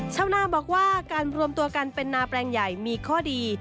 ชาวนาบอกว่าการรวมตัวกันเป็นนาแปลงใหญ่มีข้อดี